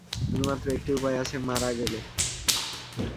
শুধুমাত্র একটি উপায় আছে, মারা গেলে।